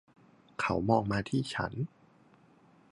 เขามองมาที่ฉัน.